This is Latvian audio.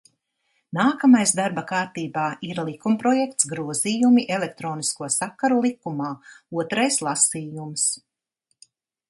"Nākamais darba kārtībā ir likumprojekts "Grozījumi Elektronisko sakaru likumā", otrais lasījums."